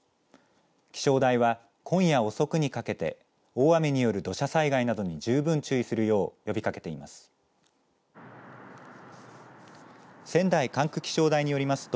気象台は今夜、遅くにかけて大雨による土砂災害などに十分注意するよう呼びかけています。